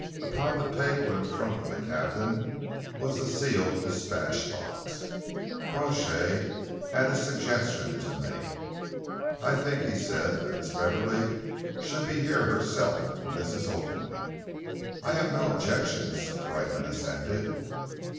Upon the table in front of the captain was the sealed dispatch box. Crawshay had a suggestion to make. "I think," he said, "that Miss Beverley should be here herself when this is opened." "I have no objection," Brightman assented.